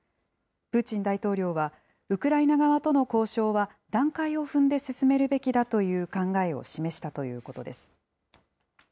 プーチン大統領は、ウクライナ側との交渉は、段階を踏んで進めるべきだという考えを示したということです。